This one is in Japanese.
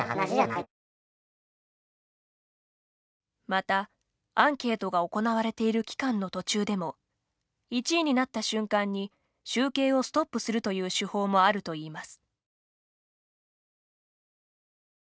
また、アンケートが行われている期間の途中でも１位になった瞬間に集計をストップするという手法もあるといいます。